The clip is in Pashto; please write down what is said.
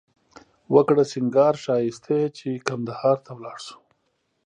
وکړه سینگار ښایښتې چې قندهار ته ولاړ شو